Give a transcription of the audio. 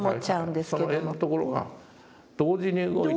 その辺のところが同時に動いてるわけだ。